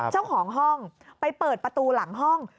เจ้าของห้องไปเปิดประตูหลังห้อง